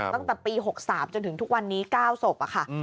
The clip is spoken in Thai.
ตั้งแต่ปี๖๓จนถึงทุกวันนี้๙ศพค่ะ